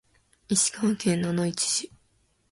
石川県野々市市